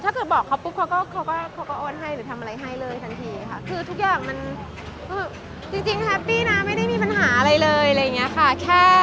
ให้ความช่วยเหลือถ้าเกิดบอกเค้าก็โอนให้ด้วยสังทีค่ะคือทุกอย่างมันจริงแฮปปี้นะไม่ได้มีปัญหาอะไรเลยแค่น้องอยู่กับเรา